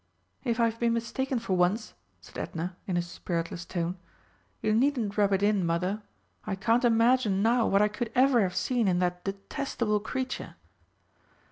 "If I have been mistaken for once," said Edna, in a spiritless tone, "you needn't rub it in, Mother. I can't imagine now what I could ever have seen in that detestable creature."